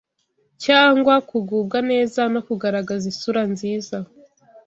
cyangwa ku kugubwa neza no kugaragaza isura nziza